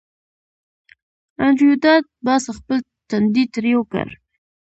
انډریو ډاټ باس خپل تندی ترېو کړ